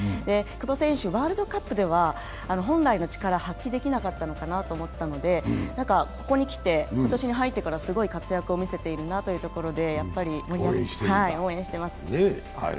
久保選手、ワールドカップでは本来の力、発揮できなかったのかなと思ったのでここにきて今年に入ってからすごい活躍を見せているなというところでやっぱり応援しています。